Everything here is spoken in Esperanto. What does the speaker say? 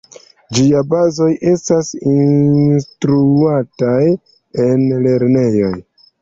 Ĝiaj bazoj estas instruataj en lernejoj.